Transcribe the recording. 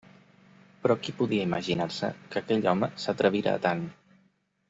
Però qui podia imaginar-se que aquell home s'atrevira a tant?